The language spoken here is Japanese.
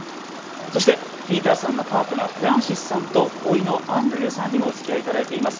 そしてピーターさんのパートナーフランシスさんとおいのアンドリューさんにもおつきあいいただいています。